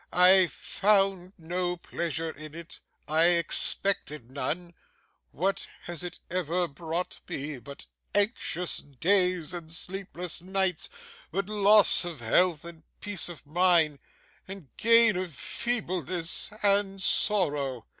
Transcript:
I found no pleasure in it, I expected none. What has it ever brought me but anxious days and sleepless nights; but loss of health and peace of mind, and gain of feebleness and sorrow!